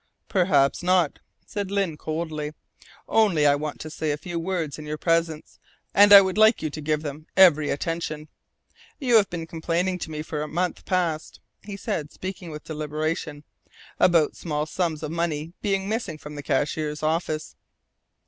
"Perhaps not," said Lyne coldly. "Only I want to say a few words in your presence, and I would like you to give them every attention. You have been complaining to me for a month past," he said speaking with deliberation, "about small sums of money being missing from the cashier's office."